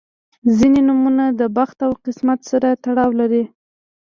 • ځینې نومونه د بخت او قسمت سره تړاو لري.